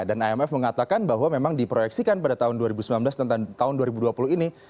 dan imf mengatakan bahwa memang diproyeksikan pada tahun dua ribu sembilan belas dan tahun dua ribu dua puluh ini